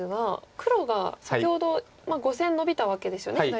黒が先ほど５線ノビたわけですよね左下。